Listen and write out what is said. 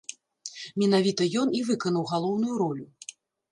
Менавіта ён і выканаў галоўную ролю.